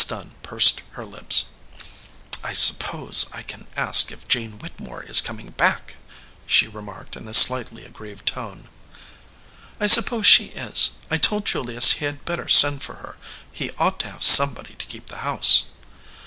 Dunn pursed her lips. "I suppose I can ask if Jane Whittemore is coming back?" she re marked in a slightly aggrieved tone. "I suppose she is; I told Julius he had better send for her. He ought to have somebody to keep the house."